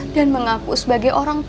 dan mengaku sebagai orang besar